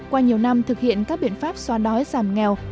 qua nhiều năm thực hiện các biện pháp xoa đói giảm nghèo